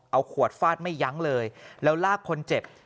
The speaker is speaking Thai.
เอาขวดฟาดไม่ยั้งเลยแล้วลากคนเจ็บ